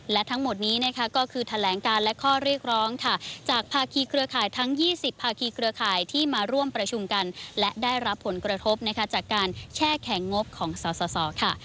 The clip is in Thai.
และทั้งหมดนี้นะคะก็คือแถลงการและข้อเรียกร้องค่ะจากภาคีเครือข่ายทั้ง๒๐ภาคีเครือข่ายที่มาร่วมประชุมกันและได้รับผลกระทบนะคะจากการแช่แข็งงบของสสค่ะ